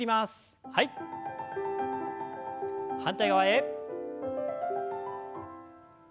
反対側へ。